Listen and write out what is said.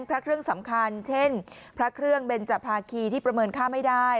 พระเครื่องสำคัญเช่นเพริงแบนจประธานคีย์ที่ประเมินค่าไม่ได้